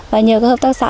và nhờ các hợp tác xã